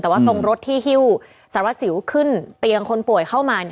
แต่ว่าตรงรถที่ฮิ้วสารวัสสิวขึ้นเตียงคนป่วยเข้ามา